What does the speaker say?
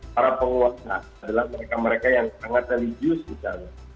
para penguasa adalah mereka mereka yang sangat religius misalnya